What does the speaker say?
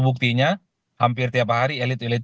buktinya hampir tiap hari elit elit